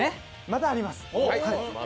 まだあります。